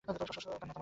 সশস, কান্না থামাও।